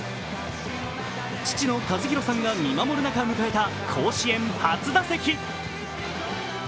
父の和博さんが見守る中、迎えた甲子園初打席。